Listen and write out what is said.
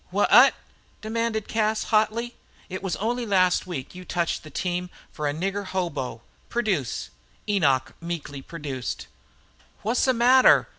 "Wha at!" demanded Cas hotly. "It was only last week you touched the team for a nigger hobo. Produce!" Enoch meekly produced. "Wha's the matter?"